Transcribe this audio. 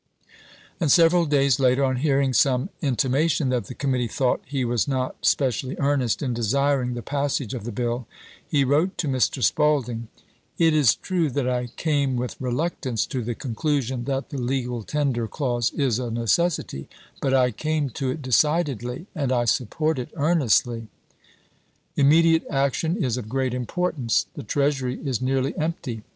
And several days later, on hearing some intima tion that the committee thought he was not spe cially earnest in desiring the passage of the bill, he wrote to Mr. Spaulding : It is true that I came with reluctance to the conclusion that the legal tender clause is a necessity, but I came to it FINANCIAL MEASUEES 233 decidedly, and I support it earnestly. .. Immediate chap. xi. action is of great importance; the treasury is nearly empty.